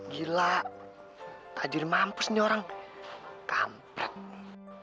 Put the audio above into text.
gila tajir mampus nih orang kampret